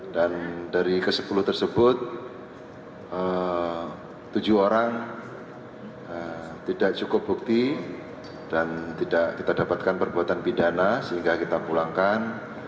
dan dari ke sepuluh tersebut tujuh orang tidak cukup bukti dan tidak kita dapatkan perbuatan pidana sehingga kita pulangkan